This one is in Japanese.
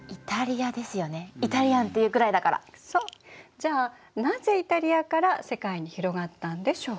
じゃあなぜイタリアから世界に広がったんでしょうか。